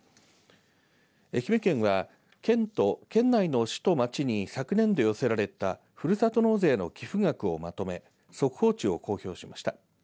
愛媛県は県と県内の市と町に昨年度寄せられたふるさと納税の寄付額をまとめ速報値を公表しました。